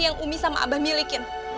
yang umi sama abah milikin